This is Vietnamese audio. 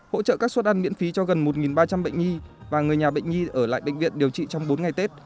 hỗ trợ các suất ăn miễn phí cho gần một ba trăm linh bệnh nhi và người nhà bệnh nhi ở lại bệnh viện điều trị trong bốn ngày tết